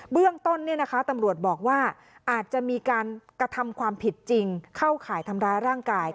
เบื้องต้นตำรวจบอกว่าอาจจะมีการกระทำความผิดจริงเข้าข่ายทำร้ายร่างกาย